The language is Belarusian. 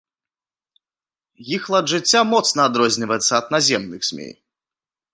Іх лад жыцця моцна адрозніваецца ад наземных змей.